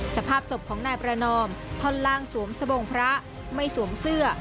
สภาพศพของนายประนอมท่อนล่างสวมสบงพระไม่สวมเสื้อ